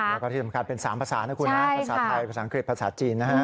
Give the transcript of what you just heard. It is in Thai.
แล้วก็ที่สำคัญเป็น๓ภาษานะคุณนะภาษาไทยภาษาอังกฤษภาษาจีนนะฮะ